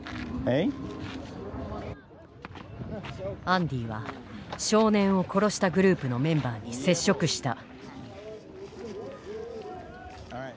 アンディは少年を殺したグループのメンバーに接触した。